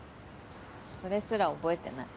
それすら覚えてない。